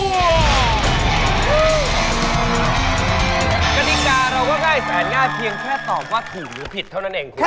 กฎิกาเราก็ง่ายแสนง่ายเพียงแค่ตอบว่าถูกหรือผิดเท่านั้นเองคุณ